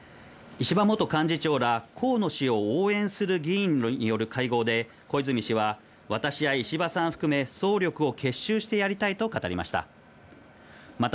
石破元幹事長ら河野氏を応援する議員による会合で、小泉氏は、私や石破さん含め、総力を結集してやりたいと語りました。